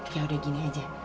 yaudah gini aja